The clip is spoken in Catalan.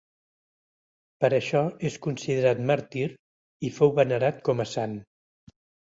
Per això és considerat màrtir i fou venerat com a sant.